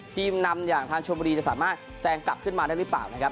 ทีมนำอย่างทางชมบุรีจะสามารถแซงกลับขึ้นมาได้หรือเปล่านะครับ